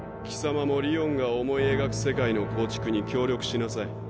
貴様もりおんが思い描く世界の構築に協力しなさい。